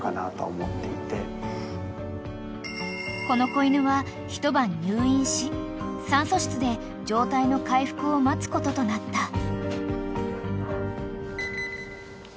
［この子犬は一晩入院し酸素室で状態の回復を待つこととなった］